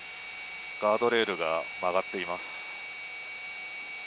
ガードレールが曲がっています。